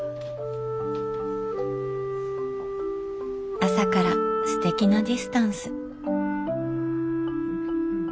朝からすてきなディスタンス。